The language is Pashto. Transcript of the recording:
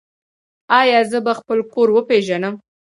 ایا زه به خپل کور وپیژنم؟